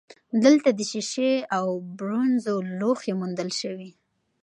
دلته د شیشې او برونزو لوښي موندل شوي